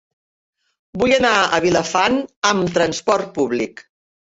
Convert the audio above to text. Vull anar a Vilafant amb trasport públic.